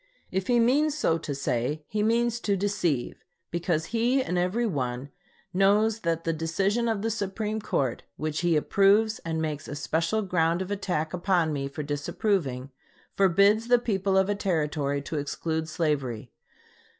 If he means so to say, he means to deceive; because he and every one knows that the decision of the Supreme Court, which he approves and makes especial ground of attack upon me for disapproving, forbids the people of a Territory to exclude slavery.